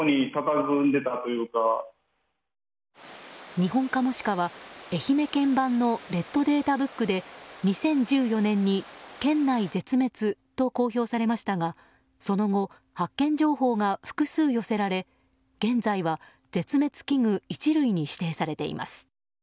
ニホンカモシカは愛媛県版のレッドデータブックで２０１４年に県内絶滅と公表されましたがその後、発見情報が複数寄せられ現在は絶滅危惧１類に指定されています。